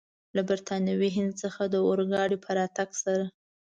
له برټانوي هند څخه د اورګاډي په راتګ سره.